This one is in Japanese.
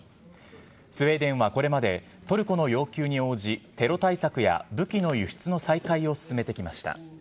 スウェーデンはこれまで、トルコの要求に応じ、テロ対策や武器の輸出の再開を進めてきました。